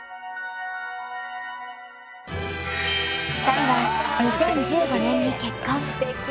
２人は２０１５年に結婚。